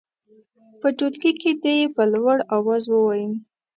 په ټولګي کې دې یې په لوړ اواز ووايي.